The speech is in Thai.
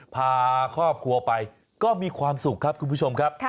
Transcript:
พาครอบครัวไปก็มีความสุขครับคุณผู้ชมครับ